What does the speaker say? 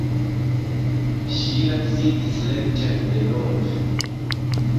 Ŝila sidis rekten denove.